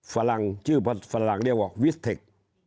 ฟลังชื่อฟาสฟลังเรียกว่าวิศเท็ก